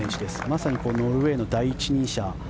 まさにノルウェーの第一人者。